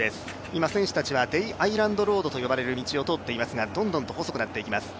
今、選手たちは、デイアイランドロードを通っていますどんどんと細くなっていきます。